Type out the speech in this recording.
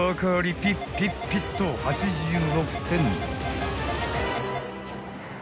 ［ピッピッピッと８６点］